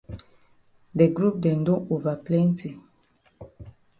De group dem don ova plenti.